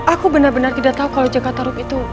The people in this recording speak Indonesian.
aku benar benar tidak tahu kalau jakarta room itu